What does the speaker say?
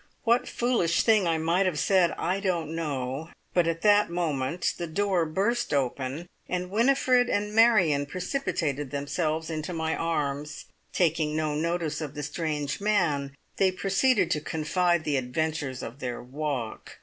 What foolish thing I might have said I don't know, but at that moment the door burst open, and Winifred and Marion precipitated themselves into my arms. Taking no notice of the strange man, they proceeded to confide the adventures of their walk.